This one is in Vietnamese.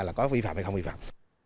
là có vi phạm hay không vi phạm